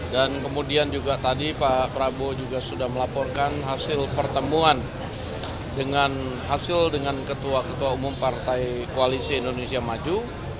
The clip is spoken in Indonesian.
dan kemudian juga tadi pak prabu sudah melaporkan hasil pertemuan dengan hasil dengan ketua ketua umum partai koalisi indonesia maju